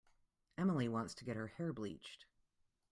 Emily wants to get her hair bleached.